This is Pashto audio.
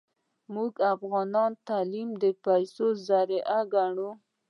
موږ افغانان تعلیم د پیسو ذریعه ګڼو